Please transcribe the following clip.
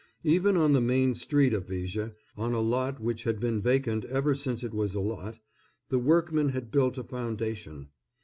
Even on the main street of Viger, on a lot which had been vacant ever since it was a lot, the workmen had built a foundation.